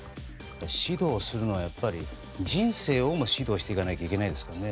指導するのはやっぱり人生をも指導していかなきゃいけないですからね。